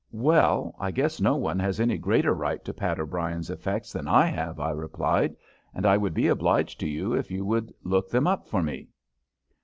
"Well, I guess no one has any greater right to Pat O'Brien's effects than I have," I replied, "and I would be obliged to you if you would look them up for me."